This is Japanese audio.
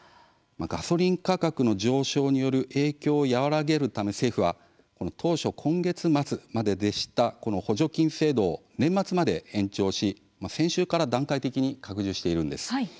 ガソリン価格の上昇による影響を和らげるため政府は、当初今月末まででした補助金制度を年末まで延長し先週から段階的に拡充しています。